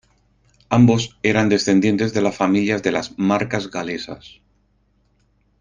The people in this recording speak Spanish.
Ambos eran descendientes de familias de las Marcas Galesas.